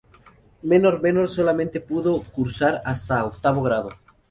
Menor Menor solamente pudo cursar hasta octavo grado.